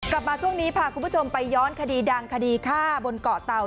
กลับมาช่วงนี้พาคุณผู้ชมไปย้อนคดีดังคดีฆ่าบนเกาะเตา